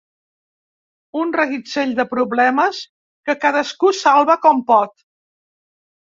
Un reguitzell de problemes que cadascú salva com pot.